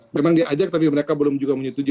memang diajak tapi mereka belum juga menyetujui